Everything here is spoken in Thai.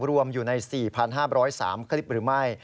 รวมอยู่ใน๔๕๐๓คลิปหรือไม่